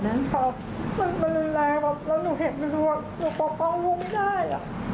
หนูปกป้องลูกไม่ได้